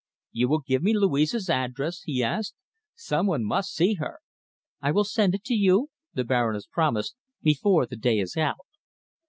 "You will give me Louise's address?" he asked. "Some one must see her." "I will send it you," the Baroness promised, "before the day is out."